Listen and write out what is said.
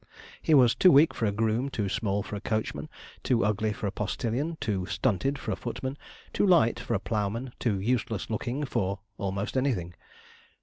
He was too weak for a groom, too small for a coachman, too ugly for a postillion, too stunted for a footman, too light for a ploughman, too useless looking for almost anything.